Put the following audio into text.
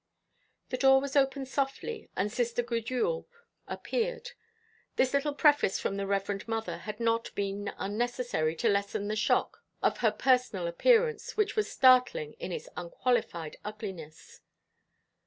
The door was opened softly and Sister Gudule appeared. This little preface from the Reverend Mother had not been unnecessary to lessen the shock of her personal appearance, which was startling in its unqualified ugliness.